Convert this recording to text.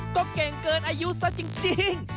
ก็เก่งเกินอายุซะจริง